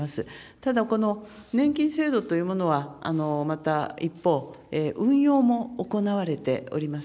ただ、この年金制度というものは、また一方、運用も行われております。